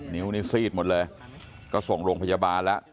นิ้วนี่ซีดหมดเลยก็ส่งโรงพยาบาลแล้ว